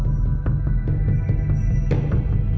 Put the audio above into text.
เวลาที่สุดท้าย